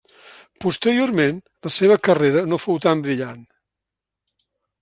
Posteriorment la seva carrera no fou tan brillant.